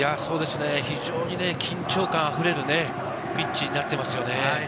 非常に緊張感溢れるピッチになっていますよね。